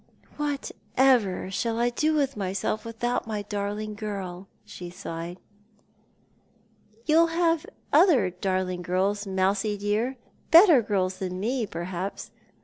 " Whatever shall I do with myself without my darling girl?" she sighed. "Yoix'll have other darling girls. Mousey dear; better girls than me, perhaps."